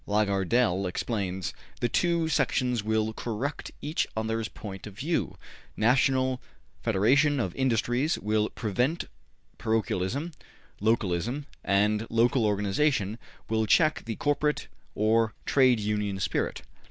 Lagardelle explains, the two sections will correct each other's point of view: national federation of industries will prevent parochialism (localisme), and local organization will check the corporate or `Trade Union' spirit.